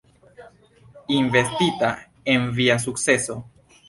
Investita en via sukceso.